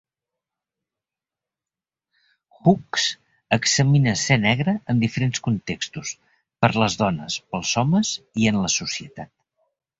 Hooks examina ser negre en diferents contextos: per les dones, pels homes i en la societat.